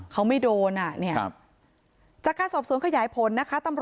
เขาไม่โดนอ่ะเนี่ยจากการสอบสวนขยายผลนะคะ